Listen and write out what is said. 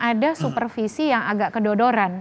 ada supervisi yang agak kedodoran